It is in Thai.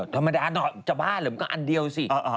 ธรรมดาหน่อยจะบ้าเหรอมันก็อันเดียวสิ